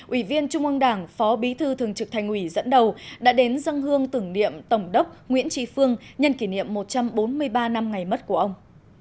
ủy viên trung ương đảng phó bí thư thường trực thành ủy dẫn đầu đã đến dân hương tưởng niệm tổng đốc nguyễn trí phương nhân kỷ niệm một trăm bốn mươi ba năm ngày mất của ông